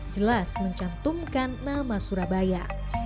jelas mencantumkan nama surabaya